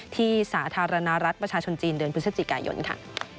สาธารณรัฐประชาชนจีนเดือนพฤศจิกายนค่ะ